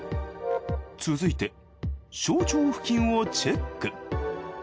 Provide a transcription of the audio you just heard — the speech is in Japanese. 続いて小腸付近をチェック。